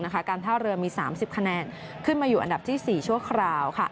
การท่าเรือมี๓๐คะแนนขึ้นมาอยู่อันดับที่๔ชั่วคราว